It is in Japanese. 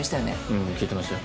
うん聞いてましたよ。